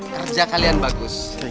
kerja kalian bagus